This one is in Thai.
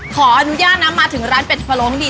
ขออนุญาตนะมาถึงร้านเป็ดพะโล้งดี